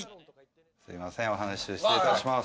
すいませんお話し中失礼いたします。